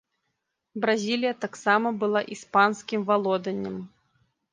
Бразілія таксама была іспанскім валоданнем.